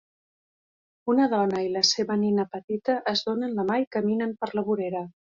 Una dona i la seva nina petita es donen la mà i caminen per la vorera.